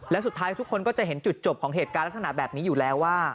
และสุดท้ายทุกคนก็จะเห็นจุดจบของเหตุการณ์ลักษณะแบบนี้อยู่แล้วว่า